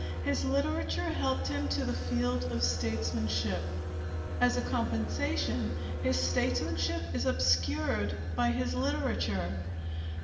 His literature helped him to the field of statesmanship; as a compensation, his statesmanship is obscured by his literature.